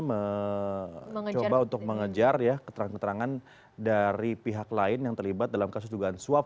mencoba untuk mengejar ya keterangan keterangan dari pihak lain yang terlibat dalam kasus dugaan suap